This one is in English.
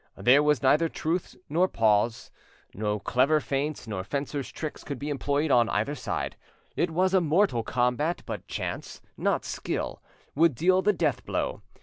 There was neither truce nor pause, no clever feints nor fencer's tricks could be employed on either side; it was a mortal combat, but chance, not skill, would deal the death blow.